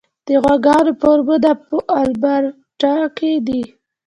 د غواګانو فارمونه په البرټا کې دي.